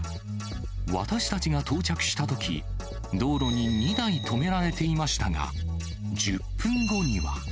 私たちが到着したとき、道路に２台止められていましたが、１０分後には。